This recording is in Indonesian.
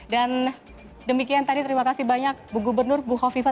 dan demikian tadi terima kasih banyak bu gubernur bu hoviva terima kasih